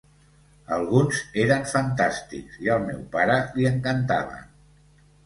Alguns eren fantàstics i al meu pare li encantaven.